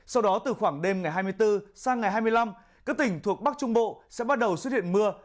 sau đó từ khoảng đêm ngày hai mươi bốn sang ngày hai mươi năm các tỉnh thuộc bắc trung bộ sẽ bắt đầu xuất hiện mưa